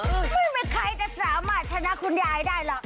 ไม่มีใครจะสามารถชนะคุณยายได้หรอก